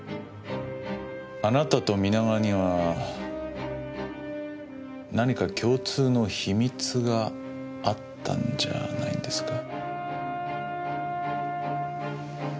あなたと皆川には何か共通の秘密があったんじゃないんですか？